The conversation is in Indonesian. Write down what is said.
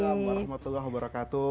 waalaikumsalam warahmatullahi wabarakatuh